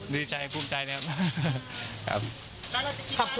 ดีใจภูมิใจนะครับ